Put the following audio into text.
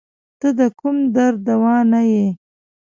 ته د کوم درد دوا نه یی